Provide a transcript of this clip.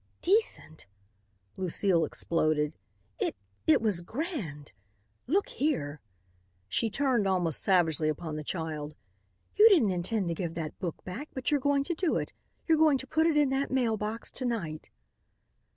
"Decent?" Lucile exploded. "It it was grand. Look here," she turned almost savagely upon the child, "you didn't intend to give that book back but you're going to do it. You're going to put it in that mail box to night."